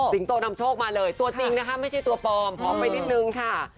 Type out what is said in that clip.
โตนำโชคมาเลยตัวจริงนะคะไม่ใช่ตัวปลอมพร้อมไปนิดนึงค่ะ